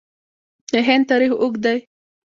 د هند تاریخ اوږد دی.